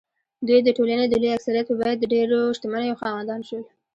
دوی د ټولنې د لوی اکثریت په بیه د ډېرو شتمنیو خاوندان شول.